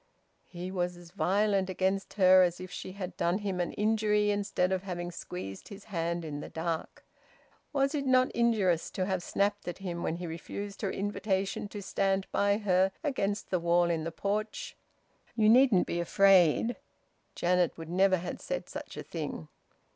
He was as violent against her as if she had done him an injury instead of having squeezed his hand in the dark. Was it not injurious to have snapped at him, when he refused her invitation to stand by her against the wall in the porch, "You needn't be afraid"? Janet would never have said such a thing.